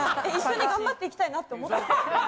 一緒に頑張っていきたいなと思ってます。